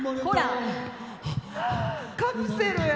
カプセルや！